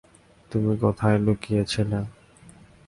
তুই কোথায় লুকিয়ে ছিলি?